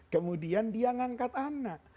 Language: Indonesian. kemudian dia mengangkat anak